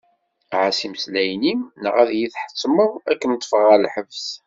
Ɛass imeslayen-im neɣ ad iyi-tḥettmeḍ ad kem-ṭfeɣ ɣer lḥebs.